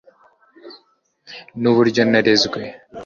nuburyo narezwe